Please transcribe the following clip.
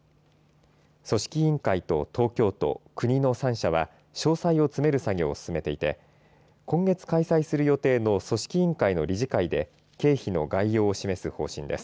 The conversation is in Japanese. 組織委員会と東京都、国の３者は詳細を詰める作業を進めていて今月、開催する予定の組織委員会の理事会で経費の概要を示す方針です。